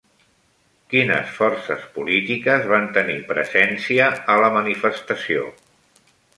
Quines forces polítiques van tenir presència a la manifestació?